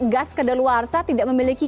gas kedaluar sah tidak memiliki